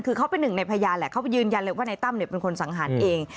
คือเขาเป็นหนึ่งในพยานแหละเขายืนยันเลยว่านายตั้มเป็นคนสังหารเอง